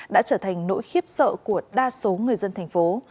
đã trở thành nỗi khiếp sợ của đa số người dân thành phố